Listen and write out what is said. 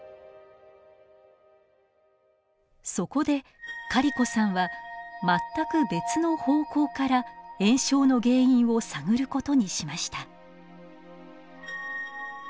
そこでカリコさんは全く別の方向から炎症の原因を探ることにしました。